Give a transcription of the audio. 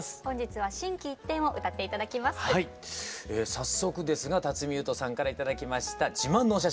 早速ですが辰巳ゆうとさんから頂きました自慢のお写真